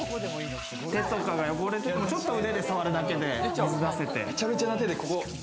手とかが汚れても、ちょっと腕でさわるだけで水出せて。